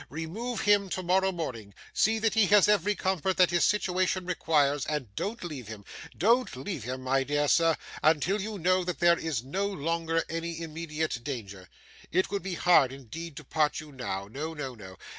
Remove him tomorrow morning, see that he has every comfort that his situation requires, and don't leave him; don't leave him, my dear sir, until you know that there is no longer any immediate danger. It would be hard, indeed, to part you now. No, no, no!